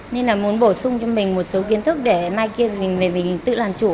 nên là muốn bổ sung cho mình một số kiến thức để mai kia mình tự làm chủ